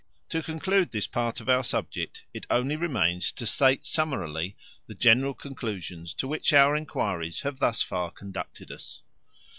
To conclude this part of our subject it only remains to state summarily the general conclusions to which our enquiries have thus far conducted us.